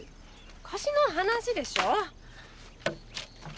昔の話でしょ。